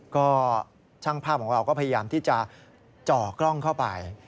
ก็ช่างภาพของเราก็พยายามที่จะจ่อกล้องเข้าไป